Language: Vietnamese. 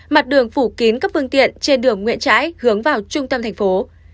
mặt đường phủ kín các phương tiện trên đường nguyễn trãi hướng vào trung tâm thành phố